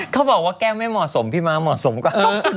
เขาบอกว่าแก้วไม่เหมาะสมพี่ม้าเหมาะสมกว่า